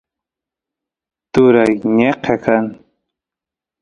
turay ñeqe kan